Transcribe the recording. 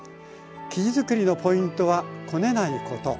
生地作りのポイントはこねないこと。